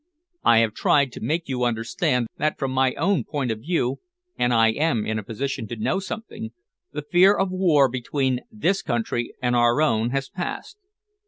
"I have tried to make you understand that from my own point of view and I am in a position to know something the fear of war between this country and our own has passed.